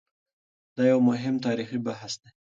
دا یو مهم تاریخي بحث دی.